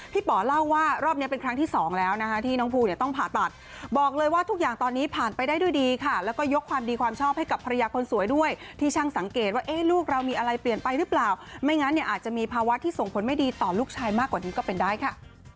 ป๋อเล่าว่ารอบนี้เป็นครั้งที่สองแล้วนะคะที่น้องภูเนี่ยต้องผ่าตัดบอกเลยว่าทุกอย่างตอนนี้ผ่านไปได้ด้วยดีค่ะแล้วก็ยกความดีความชอบให้กับภรรยาคนสวยด้วยที่ช่างสังเกตว่าลูกเรามีอะไรเปลี่ยนไปหรือเปล่าไม่งั้นเนี่ยอาจจะมีภาวะที่ส่งผลไม่ดีต่อลูกชายมากกว่านี้ก็เป็นได้ค่ะ